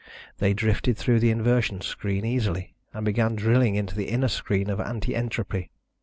They drifted through the inversion screen easily and began drilling into the inner screen of anti entropy.